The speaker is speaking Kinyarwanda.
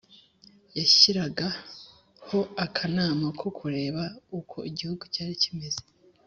yashyiraga ho akanama ko kureba uko igihugu cyari kimeze.